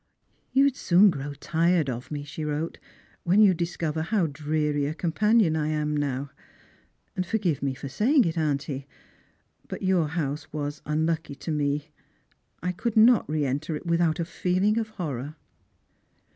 " You would "oon grow tired of me," she wrote, " '/hen you discover how dreary a companion I now am. And forgive me for saying it, auntie, but your house was unlucky to me. I could not re enter it without a feeling of horror."